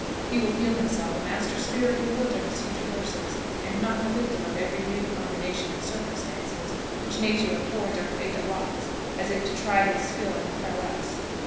He will feel himself a master spirit in the wilderness he traverses, and not the victim of every new combination of circumstances which nature affords or fate allots, as if to try his skill and prowess.